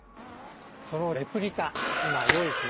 そのレプリカ今用意しましたので。